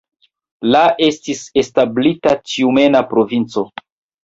La estis establita Tjumena provinco.